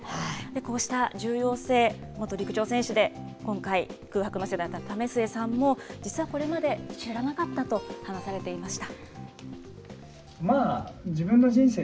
こうした重要性、元陸上選手で今回、空白の世代の為末さんも、実はこれまで、知らなかったと話されていました。